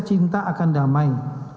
cinta akan damai